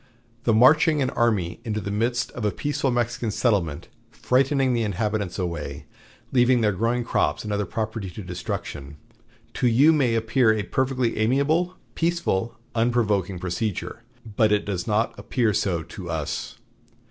The marching an army into the midst of a peaceful Mexican settlement, frightening the inhabitants away, leaving their growing crops and other property to destruction, to you may appear a perfectly amiable, peaceful, unprovoking procedure; but it does not appear so to us.